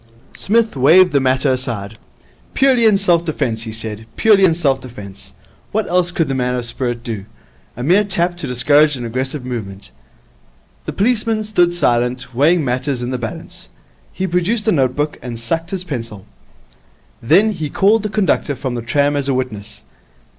Psmith waved the matter aside. 'Purely in self defence,' he said, 'purely in self defence. What else could the man of spirit do? A mere tap to discourage an aggressive movement.' The policeman stood silent, weighing matters in the balance. He produced a notebook and sucked his pencil. Then he called the conductor of the tram as a witness.